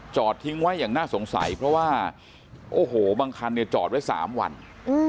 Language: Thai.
ทิ้งไว้อย่างน่าสงสัยเพราะว่าโอ้โหบางคันเนี่ยจอดไว้๓วัน